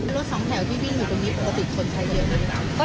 รถสองแถวที่วิ่งอยู่ตรงนี้ปกติคนใช้เยอะไหม